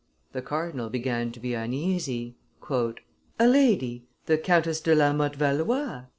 (The cardinal began to be uneasy.) "A lady, the Countess de la Motte Valois